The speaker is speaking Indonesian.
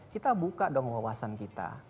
kita buka dong wawasan kita